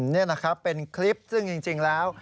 นี่นะครับเป็นคลิปซึ่งจริงแล้ว